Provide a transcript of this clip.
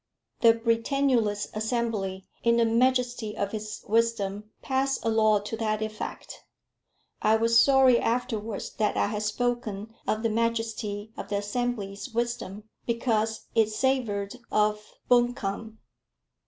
The Britannulist Assembly, in the majesty of its wisdom, passed a law to that effect." I was sorry afterwards that I had spoken of the majesty of the Assembly's wisdom, because it savoured of buncombe.